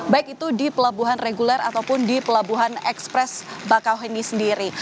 baik itu di pelabuhan reguler ataupun di pelabuhan ekspres bakau ini sendiri